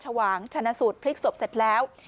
ฉวางชนะสูตรพลิกศพเสร็จแล้ว